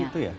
oh gitu ya